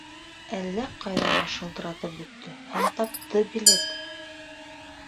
Әллә ҡайҙарға шылтыратып бөттө, һәм тапты билет!